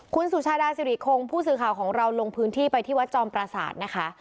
คุณสุชาดาสิริคงผู้สื่อข่าวของเราลงพื้นที่ไปที่วัดจอมปราศาสตร์นะคะ